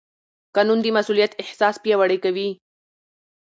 قانون د مسوولیت احساس پیاوړی کوي.